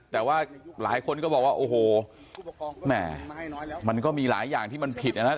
แต่ว่าหลายคนก็บอกว่าโอ้โหแหม่มันก็มีหลายอย่างที่มันผิดนะ